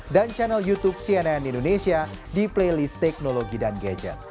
dan channel youtube cnn indonesia di playlist teknologi dan gadget